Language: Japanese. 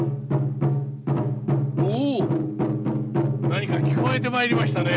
何か聞こえてまいりましたね。